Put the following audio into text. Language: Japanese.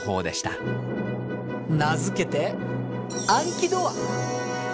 名付けて暗記ドア！